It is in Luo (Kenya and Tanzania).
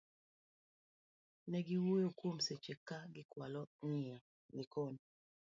negi wuoyo kuom seche ka gikwalo ng'iyo Likono